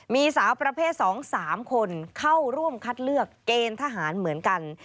มีสาวประเภท๒๓คนเข้าร่วมคัดเลือกเกณฑ์ทหารเหมือนกัน